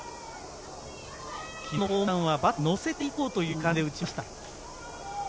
きのうのホームランはバットに乗せていこうという感じで打ちました。